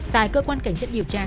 tại cơ quan cảnh sát điều tra